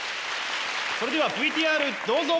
それではＶＴＲどうぞ！